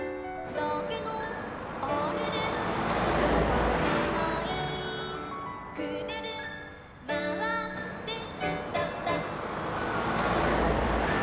「だけどあれれ？つかめない」「くるるまわってすっとんとん」